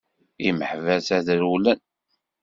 Imeḥbas ad rewwlen!